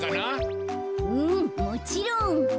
うんもちろん。